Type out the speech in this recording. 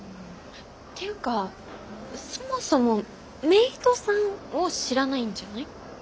ていうかそもそもメイドさんを知らないんじゃない？